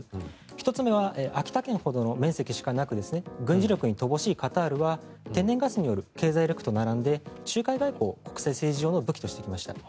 １つ目は秋田県ほどの面積しかなく軍事力に乏しいカタールは天然ガスによる経済力と並んで仲介外交を国際政治上の武器としてきました。